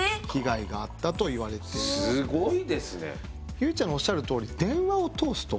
結実ちゃんのおっしゃるとおり。